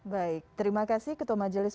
baik terima kasih ketua majelis